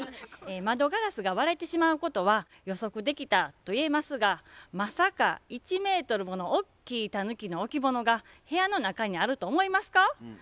窓ガラスが割れてしまうことは予測できたといえますがまさか１メートルものおっきいたぬきの置物が部屋の中にあると思いますか？